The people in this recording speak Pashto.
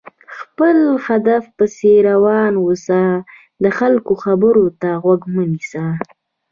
خپل هدف پسې روان اوسه، د خلکو خبرو ته غوږ مه نيسه!